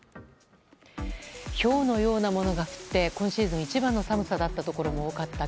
ひょうのようなものが降って今シーズン一番の寒さだったところも多かった